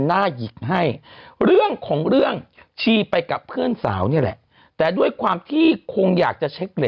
นี่นี่นี่นี่นี่นี่นี่นี่นี่นี่นี่นี่นี่นี่นี่นี่